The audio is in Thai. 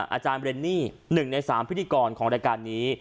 อาจารย์เรนนี่๑ใน๓พิธีกรของรายการนี้